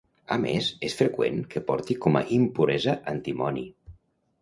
A més, és freqüent que porti com a impuresa antimoni.